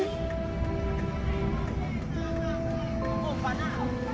pada hari ini